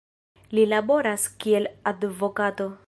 Li laboras kiel advokato.